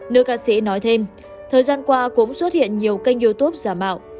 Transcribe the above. nữ ca sĩ nói thêm thời gian qua cũng xuất hiện nhiều kênh youtube giả mạo